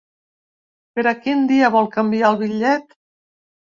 Per a quin dia vol canviar el bitllet?